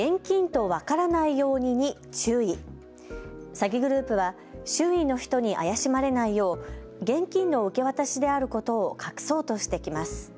詐欺グループは周囲の人に怪しまれないよう現金の受け渡しであることを隠そうとしてきます。